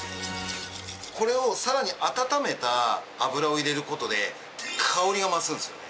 これをさらに温めた油を入れる事で香りが増すんですよね。